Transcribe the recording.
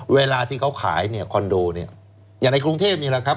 เวลาที่เขาขายคอนโดอย่างในกรุงเทพนี่แหละครับ